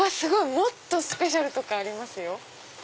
もっとスペシャルとかありますよ。